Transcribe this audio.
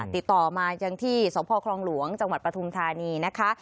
ติดต่อมาอย่างที่สคลองหลวงจังหวัดปฐุมธานี